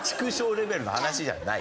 レベルの話じゃない。